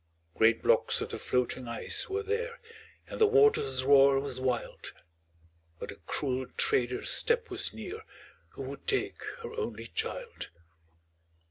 Great blocks of the floating ice were there, And the water's roar was wild, But the cruel trader's step was near, Who would take her only child.